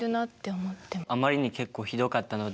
あまりに結構ひどかったので。